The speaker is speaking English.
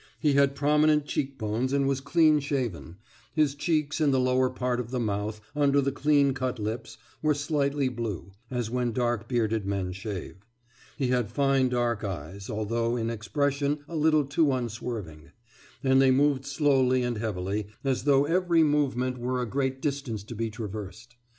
He had prominent cheek bones and was clean shaven; his cheeks and the lower part of the mouth, under the clean cut lips, were slightly blue, as when dark bearded men shave. He had fine dark eyes, although in expression a little too unswerving; and they moved slowly and heavily, as though every movement were a great distance to be traversed.